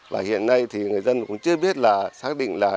và hiện nay thì người dân cũng chưa biết là xác định là